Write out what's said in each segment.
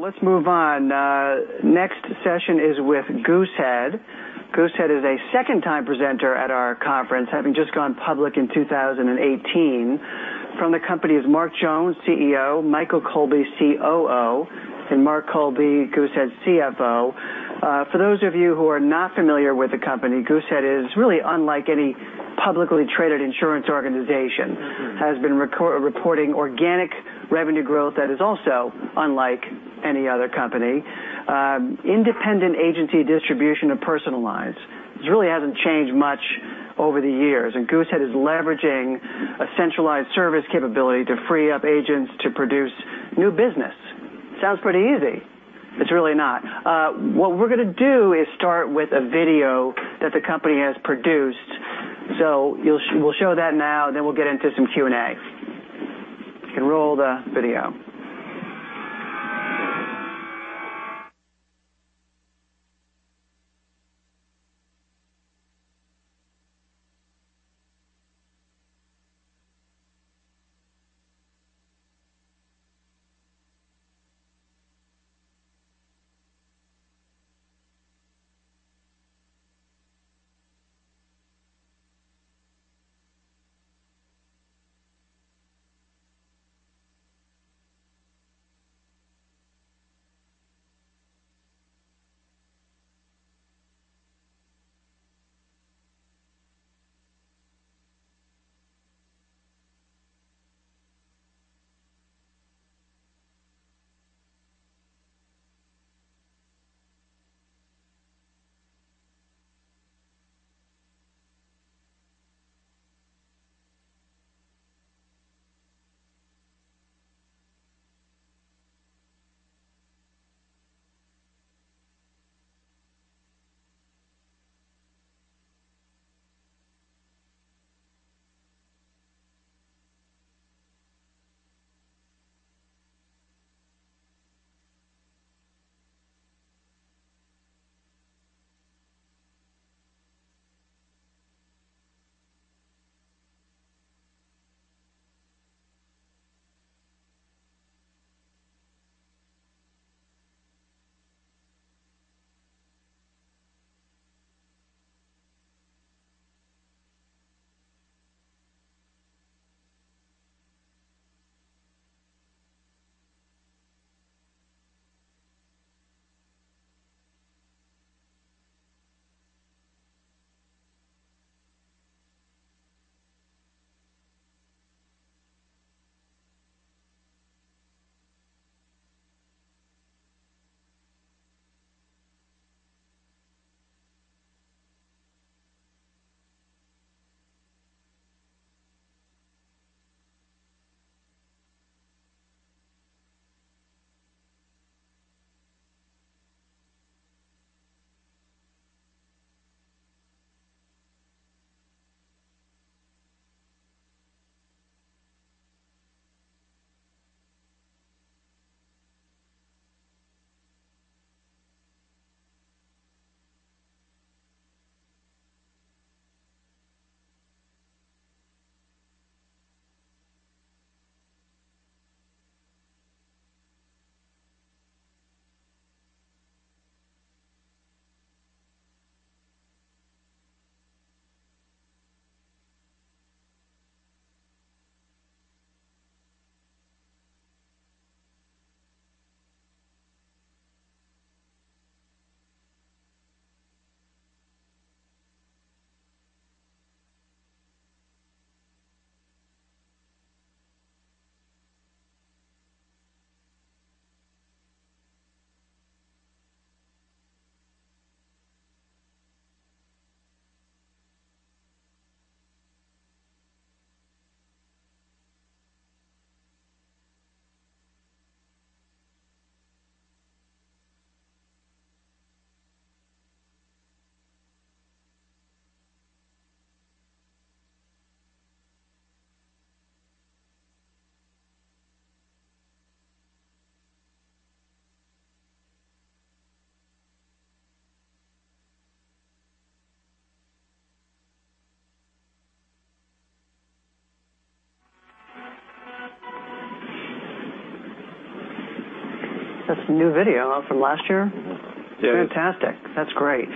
Let's move on. Next session is with Goosehead. Goosehead is a second time presenter at our conference, having just gone public in 2018. From the company is Mark Jones, CEO, Michael Colby, COO, and Mark Miller, Goosehead's CFO. For those of you who are not familiar with the company, Goosehead is really unlike any publicly traded insurance organization. It has been reporting organic revenue growth that is also unlike any other company. Independent agency distribution of personal lines. This really hasn't changed much over the years. Goosehead is leveraging a centralized service capability to free up agents to produce new business. Sounds pretty easy. It's really not. What we're going to do is start with a video that the company has produced. We'll show that now, and then we'll get into some Q&A. You can roll the video. That's a new video. From last year? Yeah. Fantastic. That's great.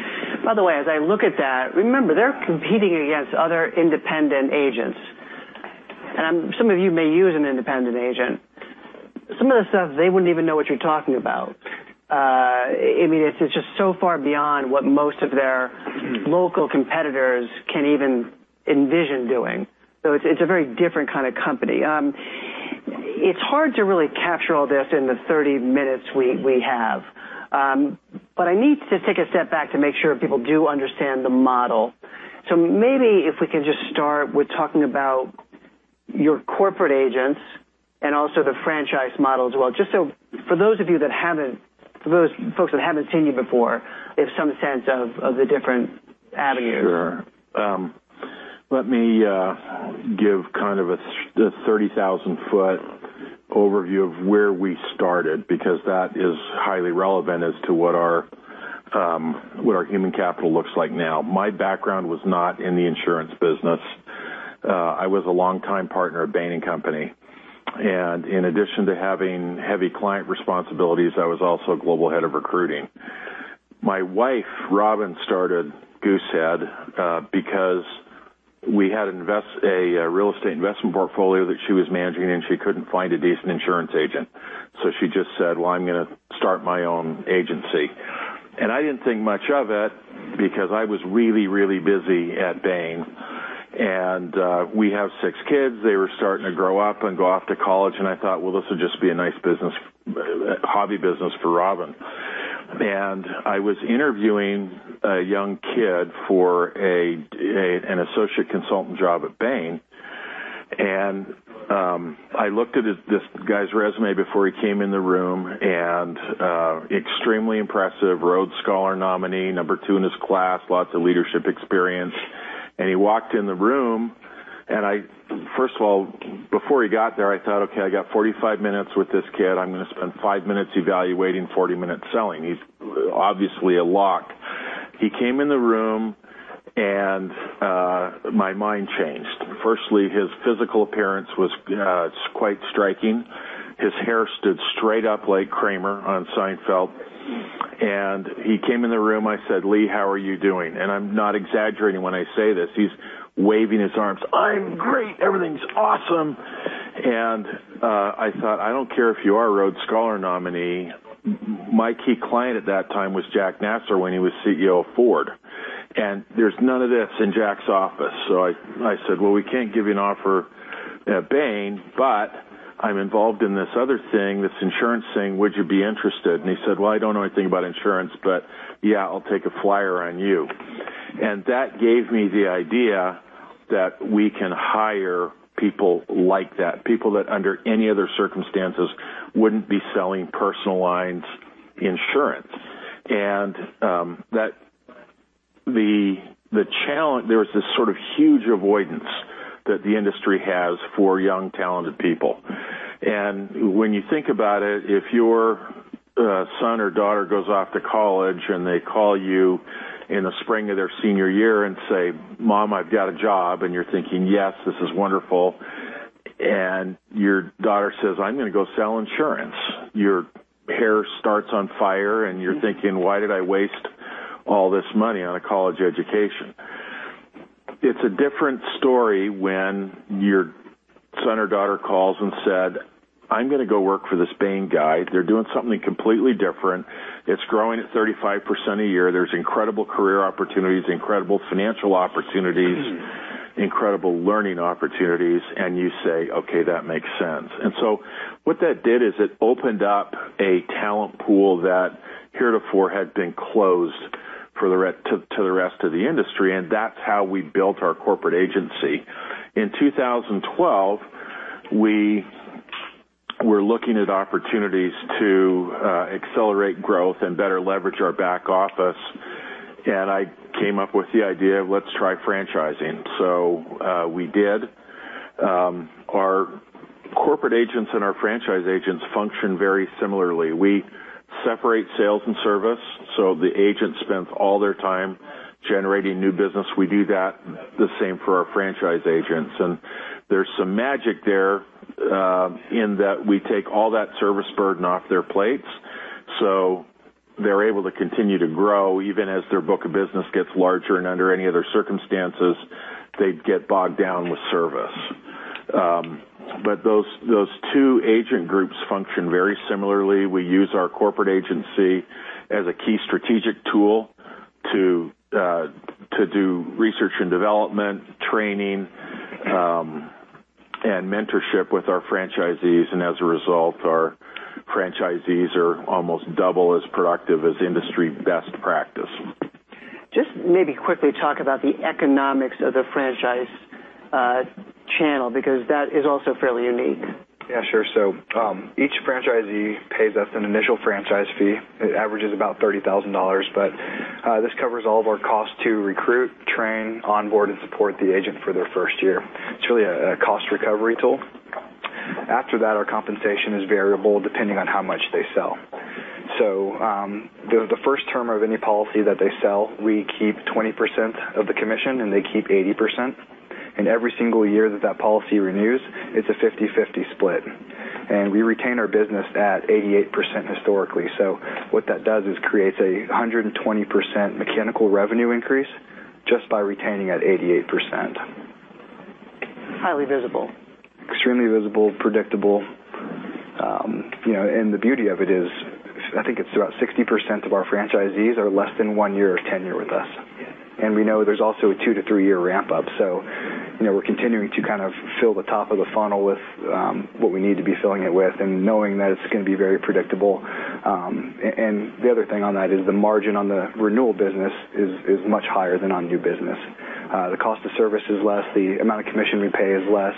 By the way, as I look at that, remember, they're competing against other independent agents. Some of you may use an independent agent. Some of the stuff, they wouldn't even know what you're talking about. It's just so far beyond what most of their local competitors can even envision doing. It's a very different kind of company. It's hard to really capture all this in the 30 minutes we have, but I need to take a step back to make sure people do understand the model. Maybe if we can just start with talking about your corporate agents and also the franchise model as well, just so for those folks that haven't seen you before, they have some sense of the different avenues. Sure. Let me give kind of the 30,000-foot overview of where we started, because that is highly relevant as to what our human capital looks like now. My background was not in the insurance business. I was a longtime partner at Bain & Company, and in addition to having heavy client responsibilities, I was also global head of recruiting. My wife, Robyn, started Goosehead because we had a real estate investment portfolio that she was managing, and she couldn't find a decent insurance agent. She just said, "Well, I'm going to start my own agency." I didn't think much of it because I was really, really busy at Bain. We have six kids, they were starting to grow up and go off to college, and I thought, "Well, this would just be a nice hobby business for Robyn." I was interviewing a young kid for an associate consultant job at Bain, and I looked at this guy's resume before he came in the room, and extremely impressive. Rhodes Scholar nominee, number 2 in his class, lots of leadership experience. He walked in the room, and first of all, before he got there, I thought, "Okay, I got 45 minutes with this kid. I'm going to spend five minutes evaluating, 40 minutes selling. He's obviously a lock." He came in the room, and my mind changed. Firstly, his physical appearance was quite striking. His hair stood straight up like Kramer on Seinfeld. He came in the room, I said, "Lee, how are you doing?" I'm not exaggerating when I say this, he's waving his arms. "I'm great. Everything's awesome." I thought, "I don't care if you are a Rhodes Scholar nominee." My key client at that time was Jacques Nasser when he was CEO of Ford, and there's none of this in Jacques's office. I said, "Well, we can't give you an offer at Bain, but I'm involved in this other thing, this insurance thing. Would you be interested?" He said, "Well, I don't know anything about insurance, but yeah, I'll take a flyer on you." That gave me the idea that we can hire people like that. People that under any other circumstances wouldn't be selling personal lines insurance. There was this sort of huge avoidance that the industry has for young, talented people. When you think about it, if your son or daughter goes off to college and they call you in the spring of their senior year and say, "Mom, I've got a job." You're thinking, "Yes, this is wonderful." Your daughter says, "I'm going to go sell insurance." Your hair starts on fire and you're thinking, "Why did I waste all this money on a college education?" It's a different story when your son or daughter calls and said, "I'm going to go work for this Bain guy. They're doing something completely different. It's growing at 35% a year. There's incredible career opportunities, incredible financial opportunities, incredible learning opportunities." You say, "Okay, that makes sense." What that did is it opened up a talent pool that heretofore had been closed to the rest of the industry, and that's how we built our corporate agency. In 2012, we were looking at opportunities to accelerate growth and better leverage our back office, I came up with the idea of let's try franchising. We did. Our corporate agents and our franchise agents function very similarly. We separate sales and service, so the agent spends all their time generating new business. We do that the same for our franchise agents. There's some magic there, in that we take all that service burden off their plates, so they're able to continue to grow even as their book of business gets larger, and under any other circumstances, they'd get bogged down with service. Those two agent groups function very similarly. We use our corporate agency as a key strategic tool to do research and development, training, and mentorship with our franchisees. As a result, our franchisees are almost double as productive as industry best practice. Just maybe quickly talk about the economics of the franchise channel, because that is also fairly unique. Yeah, sure. Each franchisee pays us an initial franchise fee. It averages about $30,000, this covers all of our costs to recruit, train, onboard, and support the agent for their first year. It's really a cost recovery tool. After that, our compensation is variable depending on how much they sell. The first term of any policy that they sell, we keep 20% of the commission and they keep 80%. Every single year that that policy renews, it's a 50/50 split. We retain our business at 88% historically. What that does is creates a 120% mechanical revenue increase just by retaining at 88%. Highly visible. Extremely visible, predictable. The beauty of it is, I think it's about 60% of our franchisees are less than one year of tenure with us. Yeah. We know there's also a two to three-year ramp-up. We're continuing to kind of fill the top of the funnel with what we need to be filling it with and knowing that it's going to be very predictable. The other thing on that is the margin on the renewal business is much higher than on new business. The cost of service is less, the amount of commission we pay is less.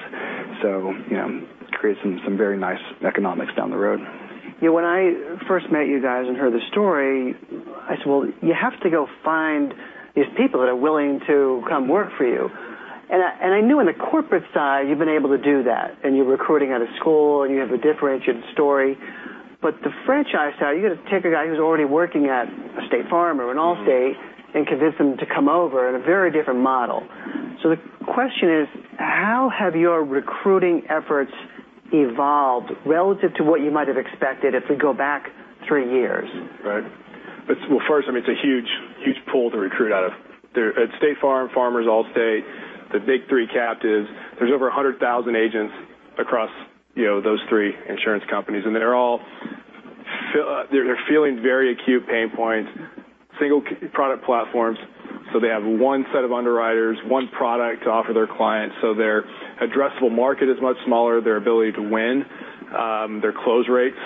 Creates some very nice economics down the road. When I first met you guys and heard the story, I said, "Well, you have to go find these people that are willing to come work for you." I knew on the corporate side you've been able to do that, and you're recruiting out of school, and you have a differentiated story. The franchise side, you got to take a guy who's already working at a State Farm or an Allstate and convince them to come over in a very different model. The question is, how have your recruiting efforts evolved relative to what you might have expected if we go back three years? Right. Well, first, it's a huge pool to recruit out of. At State Farm, Farmers, Allstate, the big three captives, there's over 100,000 agents across those three insurance companies, and they're feeling very acute pain points, single product platforms, so they have one set of underwriters, one product to offer their clients. Their addressable market is much smaller, their ability to win, their close rates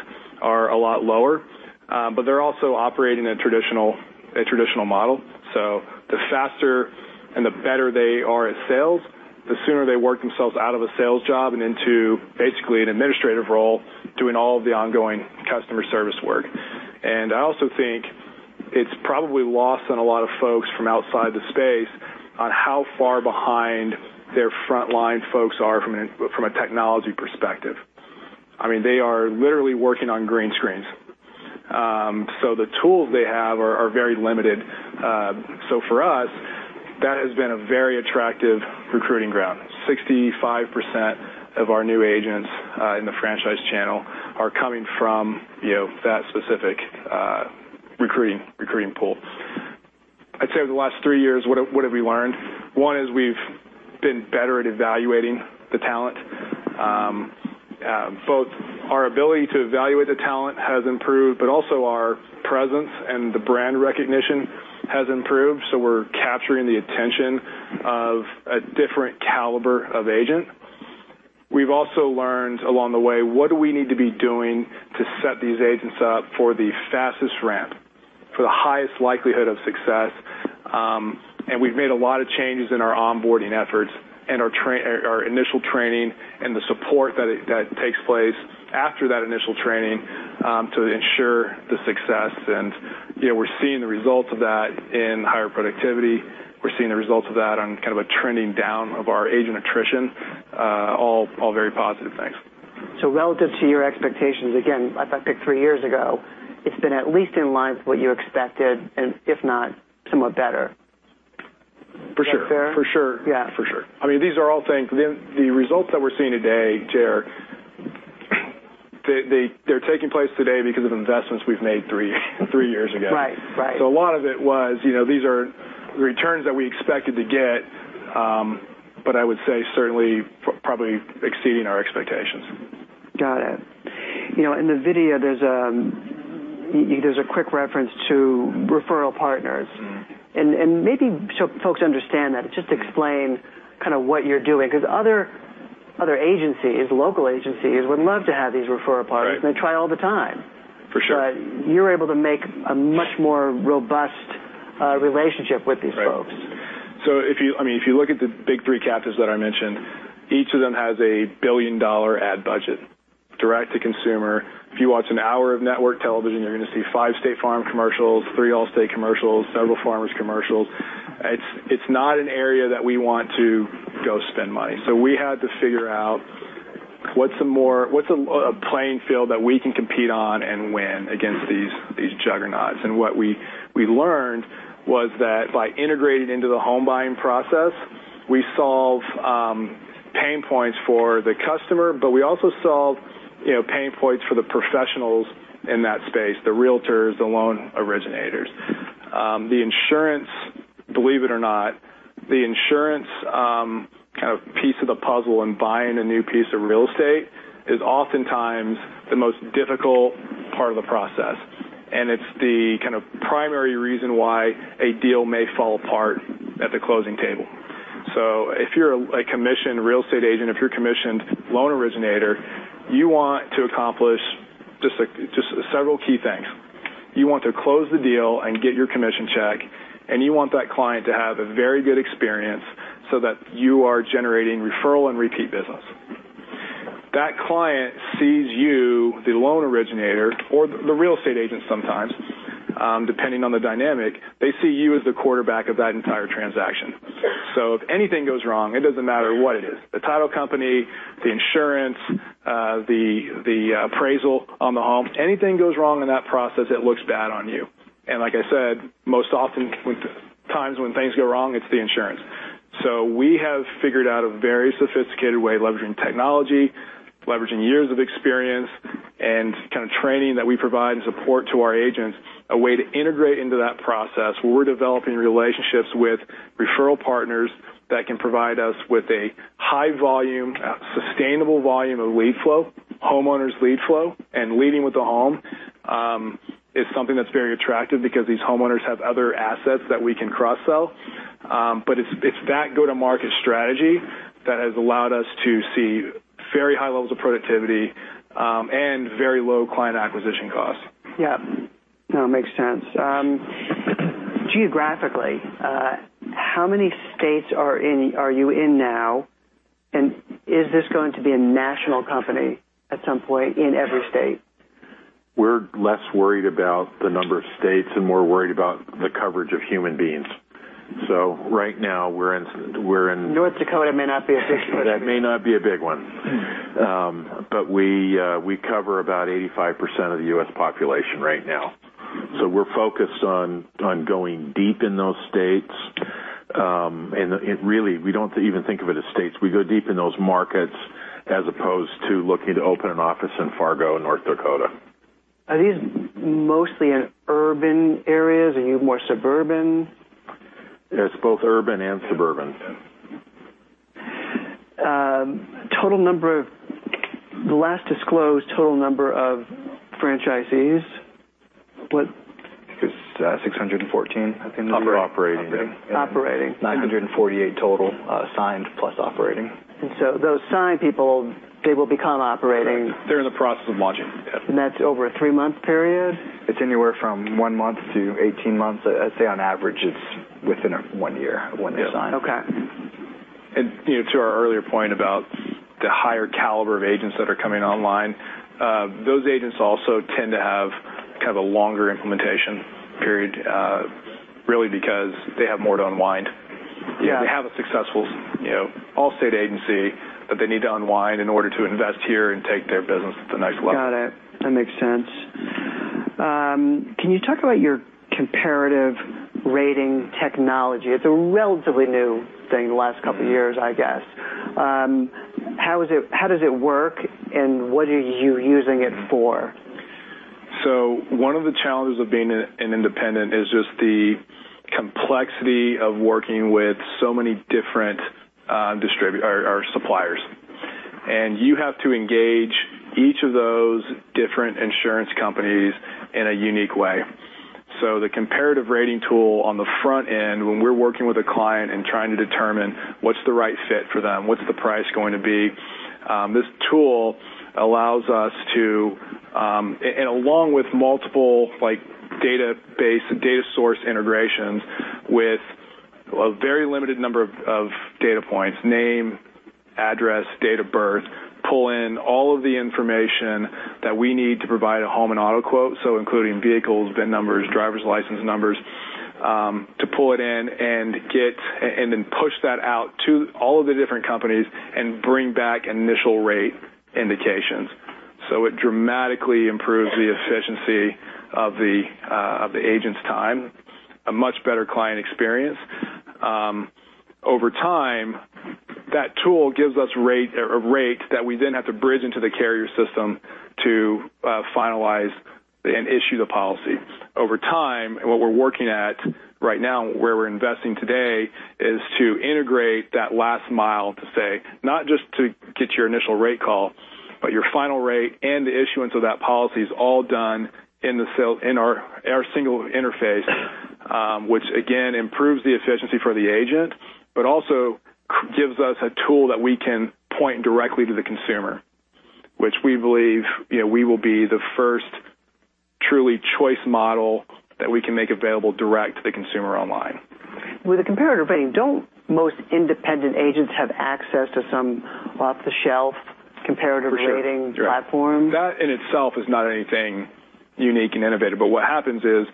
are a lot lower. They're also operating in a traditional model. The faster and the better they are at sales, the sooner they work themselves out of a sales job and into basically an administrative role doing all of the ongoing customer service work. I also think it's probably lost on a lot of folks from outside the space on how far behind their frontline folks are from a technology perspective. They are literally working on green screens. The tools they have are very limited. For us, that has been a very attractive recruiting ground. 65% of our new agents in the franchise channel are coming from that specific recruiting pool. I'd say over the last three years, what have we learned? One is we've been better at evaluating the talent. Both our ability to evaluate the talent has improved, but also our presence and the brand recognition has improved, so we're capturing the attention of a different caliber of agent. We've also learned along the way, what do we need to be doing to set these agents up for the fastest ramp, for the highest likelihood of success? We've made a lot of changes in our onboarding efforts and our initial training and the support that takes place after that initial training, to ensure the success. We're seeing the results of that in higher productivity. We're seeing the results of that on a trending down of our agent attrition, all very positive things. Relative to your expectations, again, if I pick three years ago, it's been at least in line with what you expected and if not, somewhat better. For sure. Is that fair? For sure. Yeah. For sure. The results that we're seeing today, Jay, they're taking place today because of investments we've made three years ago. Right. A lot of it was, these are returns that we expected to get, but I would say certainly probably exceeding our expectations. Got it. In the video, there's a quick reference to referral partners. Maybe so folks understand that, just explain what you're doing, because other agencies, local agencies, would love to have these referral partners. Right. They try all the time. For sure. You're able to make a much more robust relationship with these folks. Right. If you look at the big three captives that I mentioned, each of them has a billion-dollar ad budget direct to consumer. If you watch an hour of network television, you're going to see five State Farm commercials, three Allstate commercials, several Farmers commercials. It's not an area that we want to go spend money. We had to figure out what's a playing field that we can compete on and win against these juggernauts. What we learned was that by integrating into the home buying process, we solve pain points for the customer, but we also solve pain points for the professionals in that space, the realtors, the loan originators. Believe it or not, the insurance piece of the puzzle in buying a new piece of real estate is oftentimes the most difficult part of the process, and it's the primary reason why a deal may fall apart at the closing table. If you're a commissioned real estate agent, if you're a commissioned loan originator, you want to accomplish just several key things. You want to close the deal and get your commission check, and you want that client to have a very good experience so that you are generating referral and repeat business. That client sees you, the loan originator or the real estate agent sometimes, depending on the dynamic, they see you as the quarterback of that entire transaction. If anything goes wrong, it doesn't matter what it is, the title company, the insurance, the appraisal on the home, anything goes wrong in that process, it looks bad on you. Like I said, most often times when things go wrong, it's the insurance. We have figured out a very sophisticated way of leveraging technology, leveraging years of experience, and training that we provide and support to our agents, a way to integrate into that process, where we're developing relationships with referral partners that can provide us with a high volume, sustainable volume of lead flow, homeowners lead flow, and leading with the home, is something that's very attractive because these homeowners have other assets that we can cross-sell. It's that go-to-market strategy that has allowed us to see very high levels of productivity, and very low client acquisition costs. Yeah. No, it makes sense. Geographically, how many states are you in now? Is this going to be a national company at some point in every state? We're less worried about the number of states and more worried about the coverage of human beings. right now we're in. North Dakota may not be a big one. That may not be a big one. We cover about 85% of the U.S. population right now. We're focused on going deep in those states, and really, we don't even think of it as states. We go deep in those markets as opposed to looking to open an office in Fargo, North Dakota. Are these mostly in urban areas? Are you more suburban? It's both urban and suburban. The last disclosed total number of franchisees? I think it's 614. Operating. Operating. 948 total signed plus operating. Those signed people, they will become operating. They're in the process of launching. That's over a three-month period? It's anywhere from one month to 18 months. I'd say on average, it's within one year, when they're signed. Okay. To our earlier point about the higher caliber of agents that are coming online, those agents also tend to have kind of a longer implementation period, really because they have more to unwind. Yeah. They have a successful Allstate agency, but they need to unwind in order to invest here and take their business to the next level. Got it. That makes sense. Can you talk about your comparative rating technology? It's a relatively new thing the last couple of years, I guess. How does it work, and what are you using it for? One of the challenges of being an independent is just the complexity of working with so many different suppliers. You have to engage each of those different insurance companies in a unique way. The comparative rating tool on the front end, when we're working with a client and trying to determine what's the right fit for them, what's the price going to be, this tool allows us to, and along with multiple database and data source integrations with a very limited number of data points, name, address, date of birth, pull in all of the information that we need to provide a home and auto quote, so including vehicles, VIN numbers, driver's license numbers, to pull it in and then push that out to all of the different companies and bring back initial rate indications. It dramatically improves the efficiency of the agent's time. A much better client experience. Over time, that tool gives us a rate that we then have to bridge into the carrier system to finalize and issue the policy. What we're working at right now, where we're investing today, is to integrate that last mile to say, not just to get your initial rate call, but your final rate and the issuance of that policy is all done in our single interface, which again improves the efficiency for the agent, but also gives us a tool that we can point directly to the consumer, which we believe we will be the first truly choice model that we can make available direct to the consumer online. With a comparative rating, don't most independent agents have access to some off-the-shelf comparative rating platform? That in itself is not anything unique and innovative. What happens is,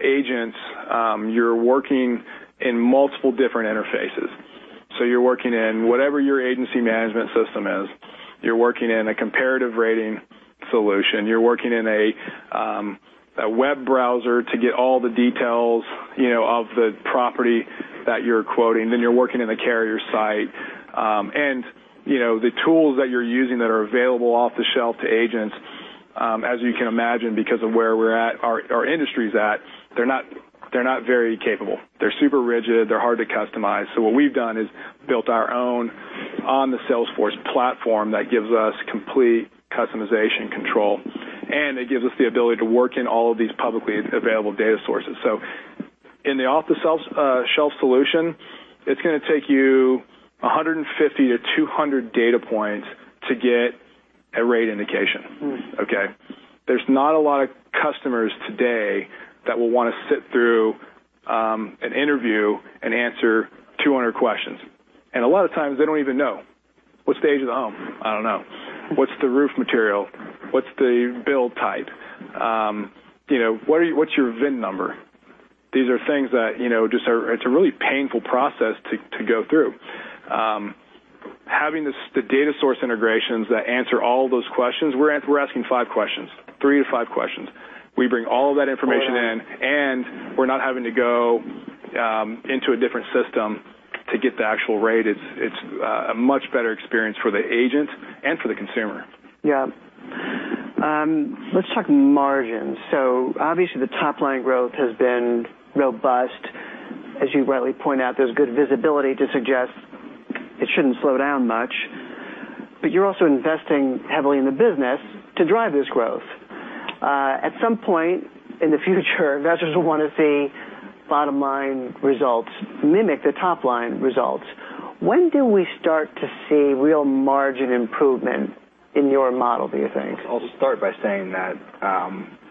agents, you're working in multiple different interfaces. You're working in whatever your agency management system is. You're working in a comparative rating solution. You're working in a web browser to get all the details of the property that you're quoting. You're working in the carrier site. The tools that you're using that are available off the shelf to agents, as you can imagine because of where our industry's at, they're not very capable. They're super rigid. They're hard to customize. What we've done is built our own on the Salesforce platform that gives us complete customization control, and it gives us the ability to work in all of these publicly available data sources. In the off-the-shelf solution, it's going to take you 150 to 200 data points to get a rate indication. Okay? There's not a lot of customers today that will want to sit through an interview and answer 200 questions. A lot of times, they don't even know. What's the age of the home? I don't know. What's the roof material? What's the build type? What's your VIN number? These are things that just it's a really painful process to go through. Having the data source integrations that answer all those questions, we're asking five questions, three to five questions. We bring all of that information in, we're not having to go into a different system to get the actual rate. It's a much better experience for the agent and for the consumer. Yeah. Let's talk margins. Obviously the top-line growth has been robust. As you rightly point out, there's good visibility to suggest it shouldn't slow down much. You're also investing heavily in the business to drive this growth. At some point in the future, investors will want to see bottom-line results mimic the top-line results. When do we start to see real margin improvement in your model, do you think? I'll start by saying that,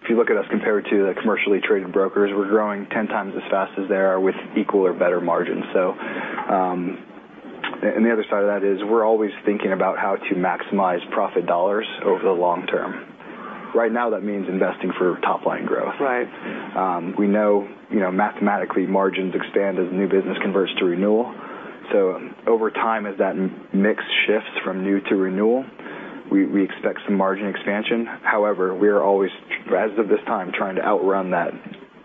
if you look at us compared to the commercially traded brokers, we're growing 10 times as fast as they are with equal or better margins. The other side of that is we're always thinking about how to maximize profit dollars over the long term. Right now, that means investing for top-line growth. Right. We know, mathematically, margins expand as new business converts to renewal. Over time, as that mix shifts from new to renewal, we expect some margin expansion. However, we are always, as of this time, trying to outrun that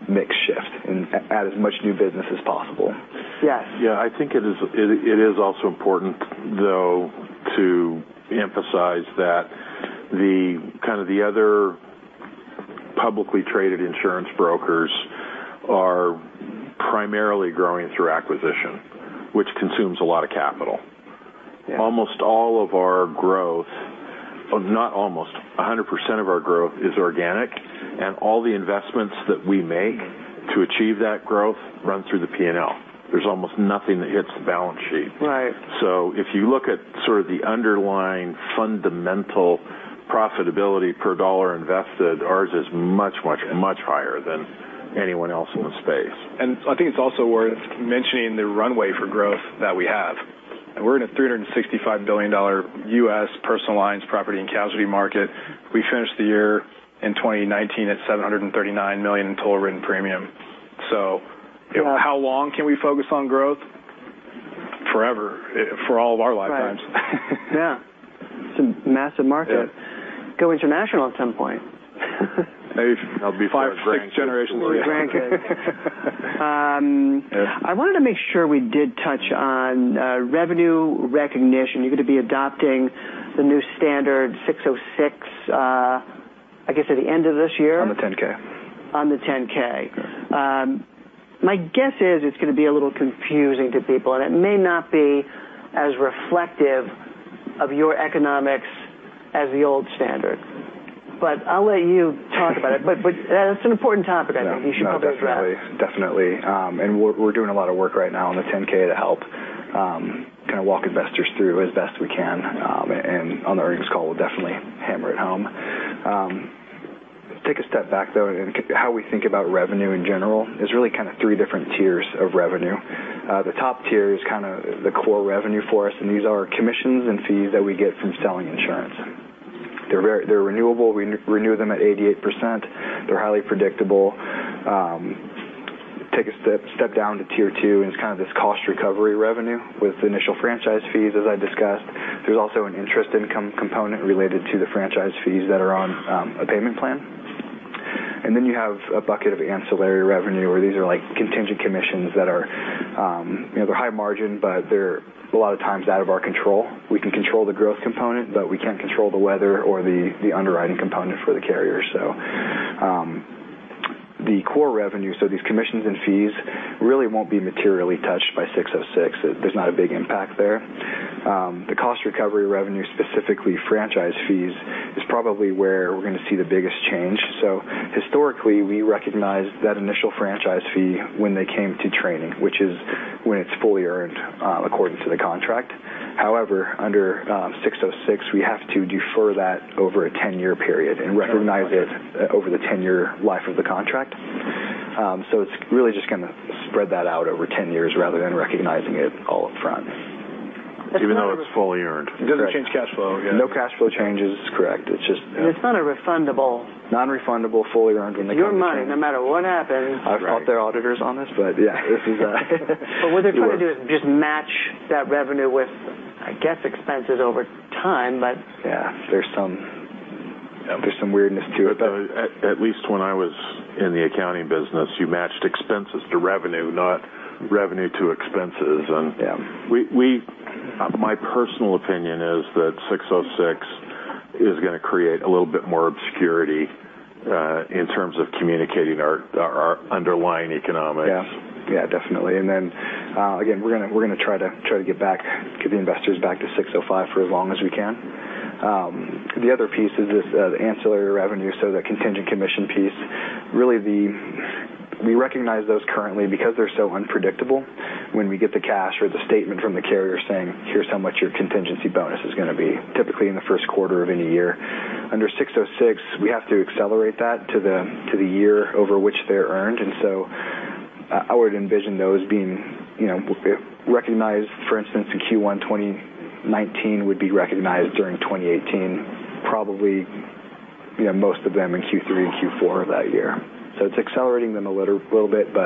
mix shift and add as much new business as possible. Yes. Yeah, I think it is also important, though, to emphasize that the other publicly traded insurance brokers are primarily growing through acquisition, which consumes a lot of capital. Yeah. Almost all of our growth, not almost, 100% of our growth is organic, and all the investments that we make to achieve that growth run through the P&L. There's almost nothing that hits the balance sheet. Right. If you look at sort of the underlying fundamental profitability per dollar invested, ours is much, much, much higher than anyone else in the space. I think it's also worth mentioning the runway for growth that we have. We're in a $365 billion U.S. personal lines property and casualty market. We finished the year in 2019 at $739 million in total written premium. How long can we focus on growth? Forever. For all of our lifetimes. Right. Yeah. It's a massive market. Yeah. Go international at some point. Maybe that'll be five, six generations. I wanted to make sure we did touch on revenue recognition. You're going to be adopting the new ASC 606, I guess, at the end of this year. On the 10-K. On the 10-K. Yes. My guess is it's going to be a little confusing to people, and it may not be as reflective of your economics as the old standard, but I'll let you talk about it. That's an important topic, I think you should probably address. No, definitely. We're doing a lot of work right now on the 10-K to help kind of walk investors through as best we can. On the earnings call, we'll definitely hammer it home. Take a step back, though, how we think about revenue in general is really kind of three different tiers of revenue. The top tier is kind of the core revenue for us, and these are commissions and fees that we get from selling insurance. They're renewable. We renew them at 88%. They're highly predictable. Take a step down to tier 2, and it's kind of this cost recovery revenue with initial franchise fees, as I discussed. There's also an interest income component related to the franchise fees that are on a payment plan. Then you have a bucket of ancillary revenue, where these are contingent commissions that are high margin, but they're a lot of times out of our control. We can control the growth component, but we can't control the weather or the underwriting component for the carrier. The core revenue, so these commissions and fees, really won't be materially touched by 606. There's not a big impact there. The cost recovery revenue, specifically franchise fees, is probably where we're going to see the biggest change. Historically, we recognized that initial franchise fee when they came to training, which is when it's fully earned according to the contract. However, under 606, we have to defer that over a 10-year period and recognize it over the 10-year life of the contract. It's really just going to spread that out over 10 years rather than recognizing it all up front. Even though it's fully earned. It doesn't change cash flow. No cash flow changes, correct. It's not a refundable- Non-refundable, fully earned when they Your money, no matter what happens. I've fought their auditors on this, but yeah. What they're trying to do is just match that revenue with, I guess, expenses over time. there's some weirdness to it though. At least when I was in the accounting business, you matched expenses to revenue, not revenue to expenses. Yeah. My personal opinion is that 606 is going to create a little bit more obscurity, in terms of communicating our underlying economics. Definitely. Again, we're going to try to get the investors back to 605 for as long as we can. The other piece is this, the ancillary revenue, so the contingent commission piece. Really, we recognize those currently because they're so unpredictable when we get the cash or the statement from the carrier saying, "Here's how much your contingency bonus is going to be," typically in the first quarter of any year. Under 606, we have to accelerate that to the year over which they're earned. I would envision those being recognized, for instance, in Q1 2019 would be recognized during 2018, probably most of them in Q3 and Q4 of that year. It's accelerating them a little bit. we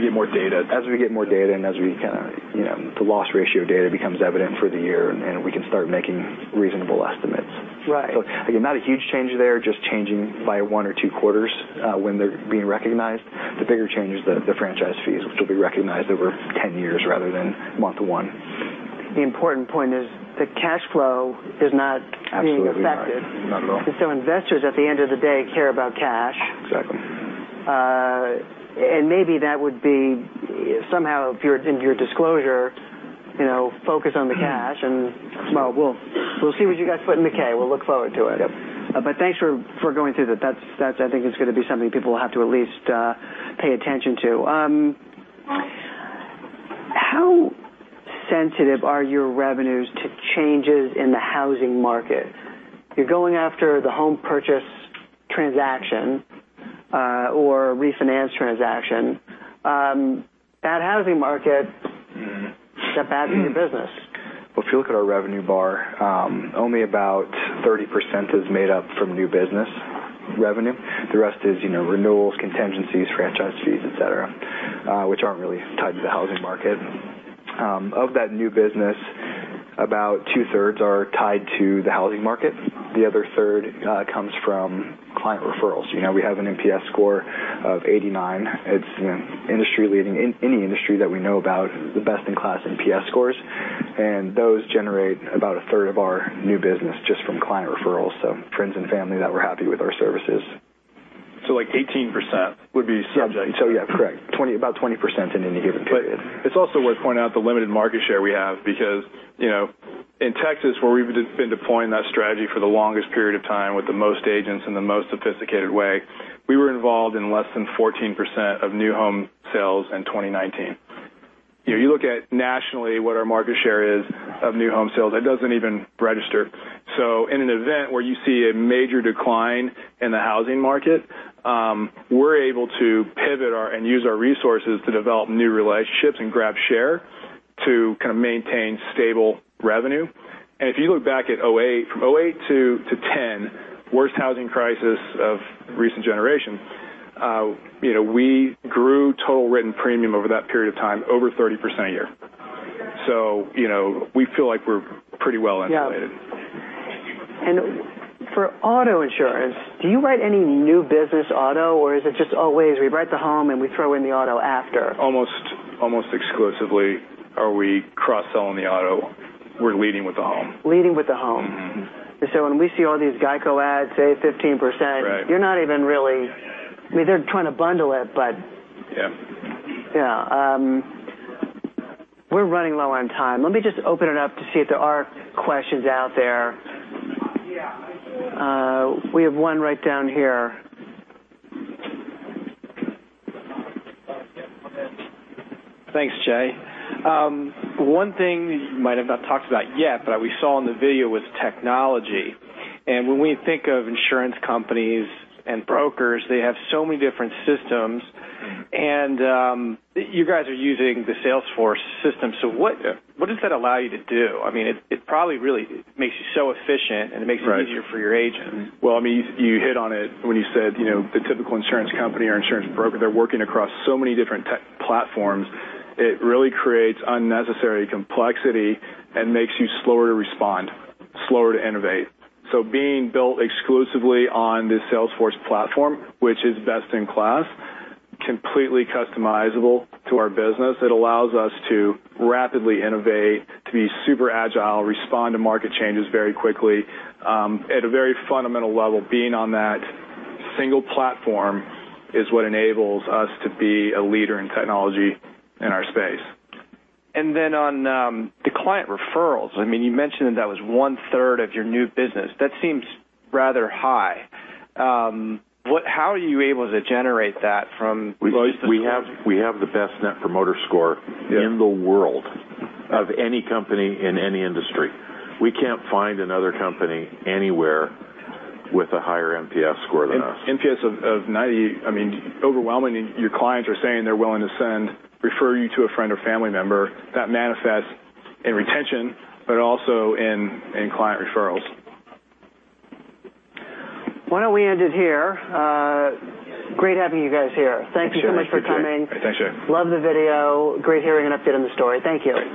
get more data we get more data and as the loss ratio data becomes evident for the year, and we can start making reasonable estimates. Right. Again, not a huge change there, just changing by one or two quarters, when they're being recognized. The bigger change is the franchise fees, which will be recognized over 10 years rather than month one. The important point is that cash flow is not being affected. Absolutely. Not at all. Investors, at the end of the day, care about cash. Exactly. Maybe that would be somehow in your disclosure, focus on the cash and well, we'll see what you guys put in the K. We'll look forward to it. Yep. Thanks for going through that. That I think is going to be something people will have to at least pay attention to. How sensitive are your revenues to changes in the housing market? You're going after the home purchase transaction or refinance transaction. Bad housing market, is that bad for your business? If you look at our revenue bar, only about 30% is made up from new business revenue. The rest is renewals, contingencies, franchise fees, et cetera, which aren't really tied to the housing market. Of that new business, about two-thirds are tied to the housing market. The other third comes from client referrals. We have an NPS score of 89. It's industry-leading in any industry that we know about, the best-in-class NPS scores. Those generate about a third of our new business just from client referrals, so friends and family that were happy with our services. 18% would be subject. Correct. About 20% in any given period. It's also worth pointing out the limited market share we have because in Texas, where we've been deploying that strategy for the longest period of time with the most agents in the most sophisticated way, we were involved in less than 14% of new home sales in 2019. You look at nationally what our market share is of new home sales, it doesn't even register. In an event where you see a major decline in the housing market, we're able to pivot and use our resources to develop new relationships and grab share to kind of maintain stable revenue. If you look back at 2008, from 2008 to 2010, worst housing crisis of recent generations, we grew total written premium over that period of time over 30% a year. We feel like we're pretty well insulated. Yeah. For auto insurance, do you write any new business auto, or is it just always we write the home and we throw in the auto after? Almost exclusively are we cross-selling the auto. We're leading with the home. Leading with the home. When we see all these GEICO ads, save 15%. Right They're trying to bundle it. Yeah. Yeah. We're running low on time. Let me just open it up to see if there are questions out there. We have one right down here. Thanks, Jay. One thing you might have not talked about yet, but we saw in the video was technology. When we think of insurance companies and brokers, they have so many different systems, and you guys are using the Salesforce system. What does that allow you to do? It probably really makes you so efficient, and it makes it easier for your agents. Well, you hit on it when you said the typical insurance company or insurance broker, they're working across so many different tech platforms. It really creates unnecessary complexity and makes you slower to respond, slower to innovate. Being built exclusively on this Salesforce platform, which is best in class, completely customizable to our business, it allows us to rapidly innovate, to be super agile, respond to market changes very quickly. At a very fundamental level, being on that single platform is what enables us to be a leader in technology in our space. On the client referrals, you mentioned that that was one-third of your new business. That seems rather high. How are you able to generate that from loyal customers? We have the best Net Promoter Score in the world of any company in any industry. We can't find another company anywhere with a higher NPS score than us. NPS of 90, overwhelmingly, your clients are saying they're willing to send, refer you to a friend or family member. That manifests in retention, also in client referrals. Why don't we end it here? Great having you guys here. Thank you so much for coming. Thanks, Jay. Thanks, Jay. Loved the video. Great hearing an update on the story. Thank you.